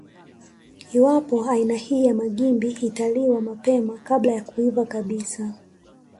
Iwapo aina hii ya magimbi italiwa mapema kabla ya kuiva kabisa